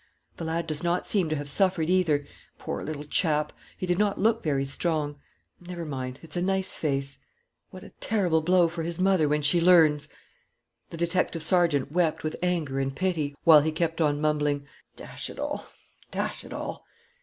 The lad does not seem to have suffered, either.... Poor little chap! He did not look very strong.... Never mind, it's a nice face; what a terrible blow for his mother when she learns!" The detective sergeant wept with anger and pity, while he kept on mumbling: "Dash it all!... Dash it all!"